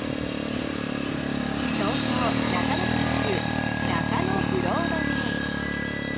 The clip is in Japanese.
東京・中野区にある中野ブロードウェイ。